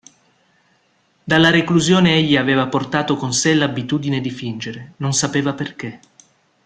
Dalla reclusione egli aveva portato con sé l'abitudine di fingere; non sapeva perché.